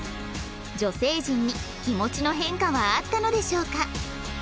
女性陣に気持ちの変化はあったのでしょうか？